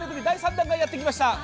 第３弾がやって来ました。